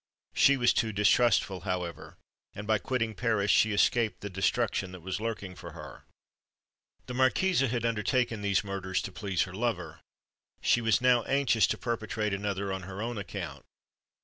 She was too distrustful, however; and, by quitting Paris, she escaped the destruction that was lurking for her. The marquise had undertaken these murders to please her lover. She was now anxious to perpetrate another on her own account.